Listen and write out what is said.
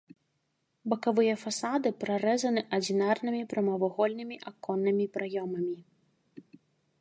Бакавыя фасады прарэзаны адзінарнымі прамавугольнымі аконнымі праёмамі.